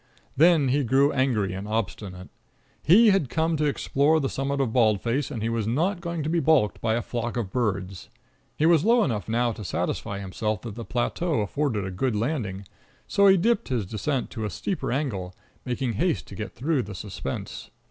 Then he grew angry and obstinate. He had come to explore the summit of Bald Face, and he was not going to be balked by a flock of birds. He was low enough now to satisfy himself that the plateau afforded a good landing, so he dipped his descent to a steeper angle, making haste to get through the suspense.